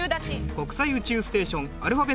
国際宇宙ステーションアルファベット３文字で？